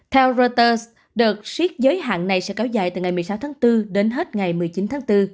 theo reuters đợt siết giới hạn này sẽ kéo dài từ ngày một mươi sáu tháng bốn đến hết ngày một mươi chín tháng bốn